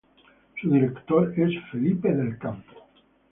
Su director es Felipe del Campo.